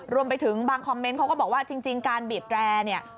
รวมไปถึงบางคอมเมนต์เขาก็บอกว่าจริงการบีดแรร์เนี่ย